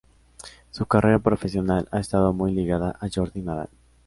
Su carrera profesional ha estado muy ligada a Jordi Nadal.